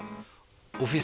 オフィス